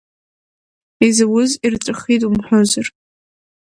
Изауз ирҵәахит умҳәозар.